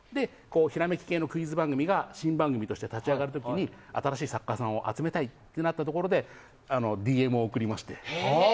ひらめき系のクイズ番組が新番組として立ち上がる時に新しい作家さんを集めたいとなったところでＤＭを送りまして。